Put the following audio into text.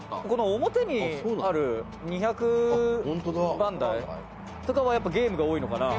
「表にある２００番台とかはやっぱりゲームが多いのかな？」